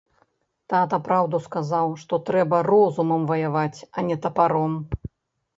Тата праўду сказаў, што трэба розумам ваяваць, а не тапаром.